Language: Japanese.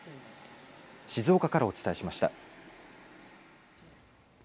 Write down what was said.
静岡からお伝えしました。